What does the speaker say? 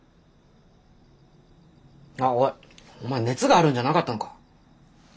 あっおいお前熱があるんじゃなかったのか？